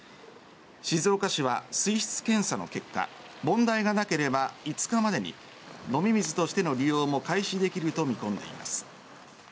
静岡市は水質検査の結果問題がなければ５日までに飲み水としての利用も開始できると見込んでいます。